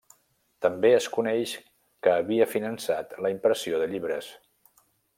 També es coneix que havia finançat la impressió de llibres.